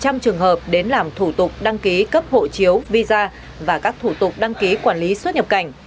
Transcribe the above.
các trường hợp đến làm thủ tục đăng ký cấp hộ chiếu visa và các thủ tục đăng ký quản lý xuất nhập cảnh